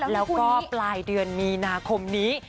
แล้วก็ปลายเดือนมีนาคมนี้